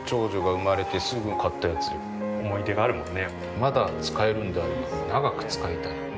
まだ使えるんであれば長く使いたい。